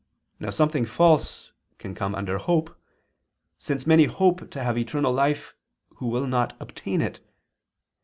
Now something false can come under hope, since many hope to have eternal life, who will not obtain it.